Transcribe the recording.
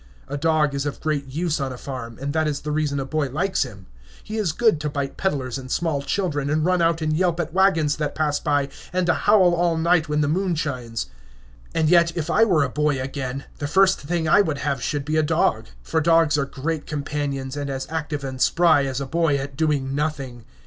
A dog is of great use on a farm, and that is the reason a boy likes him. He is good to bite peddlers and small children, and run out and yelp at wagons that pass by, and to howl all night when the moon shines. And yet, if I were a boy again, the first thing I would have should be a dog; for dogs are great companions, and as active and spry as a boy at doing nothing.